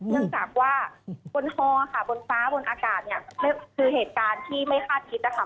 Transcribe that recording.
เนื่องจากว่าบนคอค่ะบนส้าบนอากาศคือเหตุการณ์ที่ไม่สลายพิษค่ะ